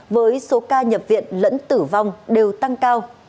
với số ca nhập viện lẫn tử vong đều tăng cao